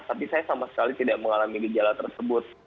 tapi saya sama sekali tidak mengalami gejala tersebut